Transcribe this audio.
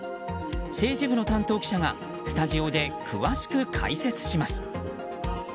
政治部の担当記者がスタジオで詳しく解説します。